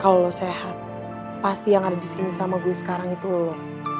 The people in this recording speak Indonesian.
kalau lo sehat pasti yang ada di sini sama gue sekarang itu lo